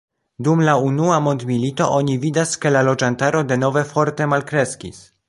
Dum la Unua Mondmilito oni vidas, ke la loĝantaro denove forte malkreskis.